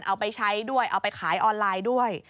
เอาไปใช้ด้วยเอาไปขายออนไลน์ด้วย